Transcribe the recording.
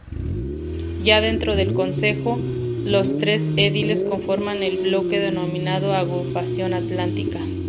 Ya dentro del Concejo, los tres ediles conforman el bloque denominado Agrupación Atlántica.